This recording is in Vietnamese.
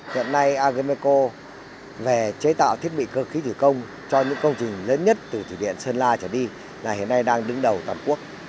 hiện nay ageco về chế tạo thiết bị cơ khí thủy công cho những công trình lớn nhất từ thủy điện sơn la trở đi là hiện nay đang đứng đầu toàn quốc